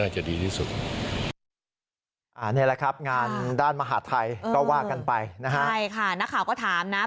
ใช่ค่ะนักข่าวก็ถามนะ